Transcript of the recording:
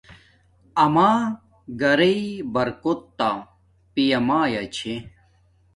آما گھریݵ برکوت تا پیامایا چھے